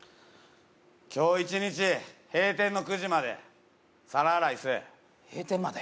今日一日閉店の９時まで皿洗いせえ閉店まで？